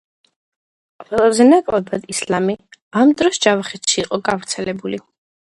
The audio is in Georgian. ყველაზე ნაკლებად ისლამი ამ დროს ჯავახეთში იყო გავრცელებული.